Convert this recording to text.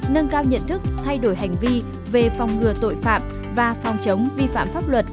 nâng cao nhận thức thay đổi hành vi về phòng ngừa tội phạm và phòng chống vi phạm pháp luật